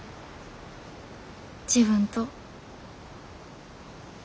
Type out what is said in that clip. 自分と。